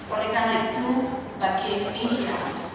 oleh karena itu bagi indonesia